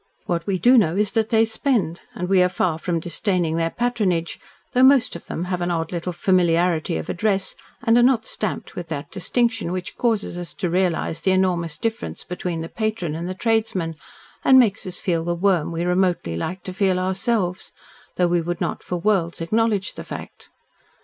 What we do know is that they spend, and we are far from disdaining their patronage, though most of them have an odd little familiarity of address and are not stamped with that distinction which causes us to realise the enormous difference between the patron and the tradesman, and makes us feel the worm we remotely like to feel ourselves, though we would not for worlds acknowledge the fact.